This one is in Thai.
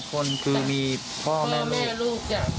๓คนคือมีพ่อแม่ลูก